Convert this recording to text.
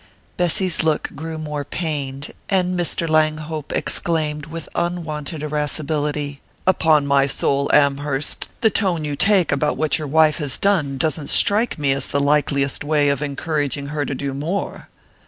Bessy's look grew more pained, and Mr. Langhope exclaimed with unwonted irascibility: "Upon my soul, Amherst, the tone you take about what your wife has done doesn't strike me as the likeliest way of encouraging her to do more!"